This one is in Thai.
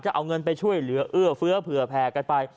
จะเอาเงินไปช่วยเหลือเอื้อเฟื้อเผื่อแผ่กันไป